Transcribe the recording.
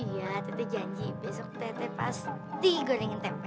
iya tete janji besok tete pasti gorengin tempe